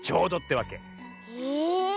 へえ。